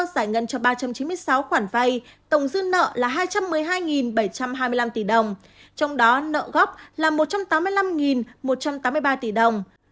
giải ngân cho ba trăm chín mươi sáu khoản vay tổng dư nợ là hai trăm một mươi hai bảy trăm hai mươi năm tỷ đồng trong đó nợ gốc là một trăm tám mươi năm một trăm tám mươi ba tỷ đồng